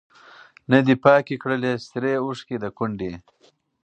نه دي پاکي کړلې سرې اوښکي د کونډي